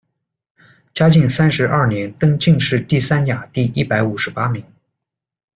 嘉靖三十二年，登进士第三甲第一百五十八名。